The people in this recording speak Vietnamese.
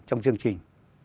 trong chương trình